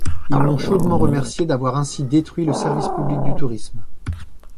Ils m'ont chaudement remercié d'avoir ainsi détruit le service public du tourisme.